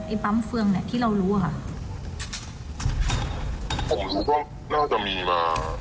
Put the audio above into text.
ปั๊มเฟืองเนี้ยที่เรารู้อ่ะค่ะผมคิดว่าน่าจะมีมา